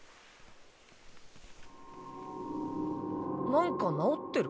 なんか治ってる。